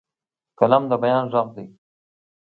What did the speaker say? قلم د بیان غږ دی